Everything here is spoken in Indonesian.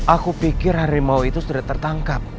aku pikir harimau itu sudah tertangkap